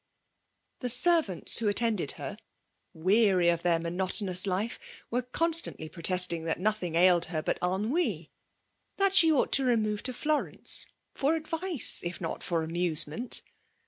The servants who attended her> weary cf their monotonous life, were constantly pro testing that nothing ailed her but ennui — that she ought to remove into Florence for advice, if not for amusement.